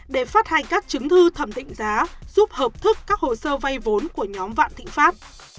để phát hành các chứng thư thẩm định giá giúp hợp thức các hồ sơ vay vốn của nhóm vạn thịnh pháp